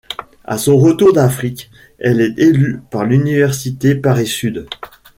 A son retour d'Afrique elle est élue par l'université Paris-Sud.